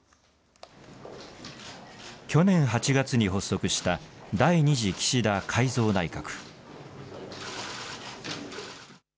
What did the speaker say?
去年８月に発足した第２次岸田改造内閣。